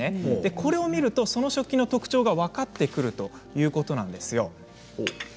これを見るとその食器の特徴が分かってくるということなんですよ。